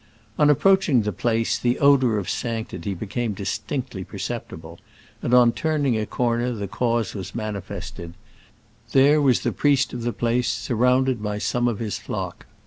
On approaching the place the odor of sanctity became distinctly perceptible; and on turning a corner the cause was manifested : there was the priest of the place, surrounded by some of his flock.